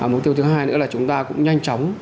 mục tiêu thứ hai nữa là chúng ta cũng nhanh chóng